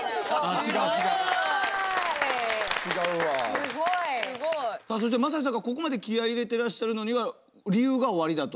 すごい。さあそしてＭａｓａｓｈｉさんがここまで気合い入れてらっしゃるのには理由がおありだと。